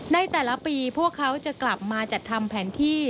ในแต่ละปีพวกเขาจะกลับมาจัดทำแผนที่